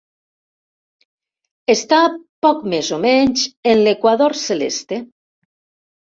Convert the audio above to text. Està poc més o menys en l'equador celeste.